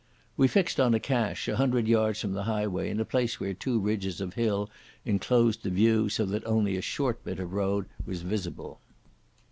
We fixed on a cache, a hundred yards from the highway in a place where two ridges of hill enclosed the view so that only a short bit of road was visible.